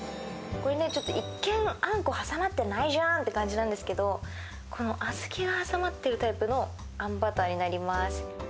これちょっと一見あんこ挟まってないじゃんって感じなんですけどこのあずきが挟まってるタイプのあんバターになります